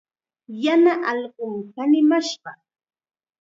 Yana allqum kanimashqa.